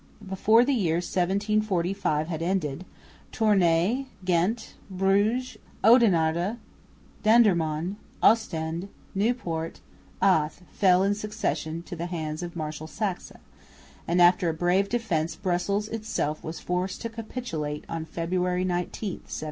Before the year 1745 had ended, Tournay, Ghent, Bruges, Oudenarde, Dendermonde, Ostend, Nieuport, Ath fell in succession into the hands of Marshal Saxe, and after a brave defence Brussels itself was forced to capitulate on February 19, 1746.